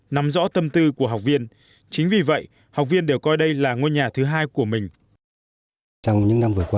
nắm rõ tâm tư của học viên chính vì vậy học viên đều coi đây là ngôi nhà